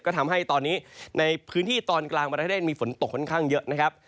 ก็ทำให้ตอนนี้ในพื้นที่ตอนกลางประเทศมีฝนตกค่อนข้างเยอะนะครับ